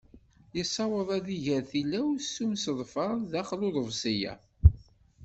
Yessaweḍ ad iger tilawt s umseḍfer daxel n uḍebsi-a.